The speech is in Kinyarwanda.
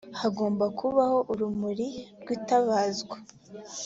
hagomba kubaho urumuri rwitabazwa